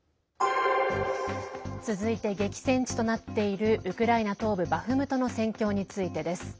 続いて激戦地となっているウクライナ東部バフムトの戦況についてです。